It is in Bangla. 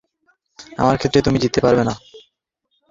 আমার ক্ষেত্রে তুমি জিততে পারবে না।